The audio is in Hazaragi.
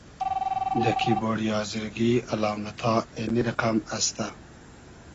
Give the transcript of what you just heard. دۂ کیبۉرۮی آزرگی الامئتا اېنی رئقئم استۂ: